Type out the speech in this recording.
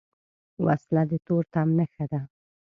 وسله د تورتم نښه ده